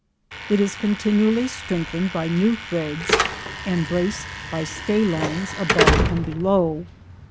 It is continually strengthened by new threads, and braced by stay lines above and below.